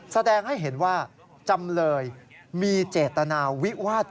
แสดงให้เห็นว่าจำเลยมีเจตนาวิวาส